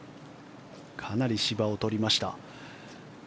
かなり芝を取りました。